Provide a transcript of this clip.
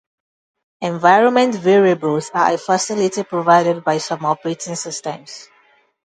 Environment variables are a facility provided by some operating systems.